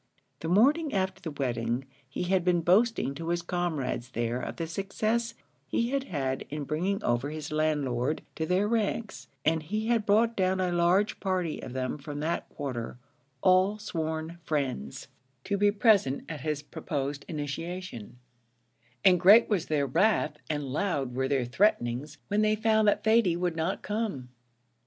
The morning after the wedding, he had been boasting to his comrades there of the success he had had in bringing over his landlord to their ranks; and he had brought down a large party of them from that quarter, all sworn friends, to be present at his proposed initiation and great was their wrath and loud were their threatenings when they found that Thady would not come.